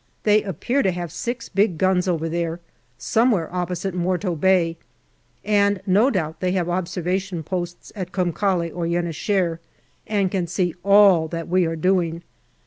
They appear to have six big guns over there, somewhere opposite Morto Bay, and, no doubt, they have observation posts at Kum Kale or Yen i Shehr, and can see all that we are doing.